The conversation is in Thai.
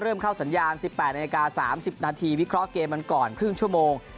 เริ่มเข้าสัญญาณ๑๘นาที๓๐นาทีวิเคราะห์เกมกันก่อนครึ่งชั่วโมง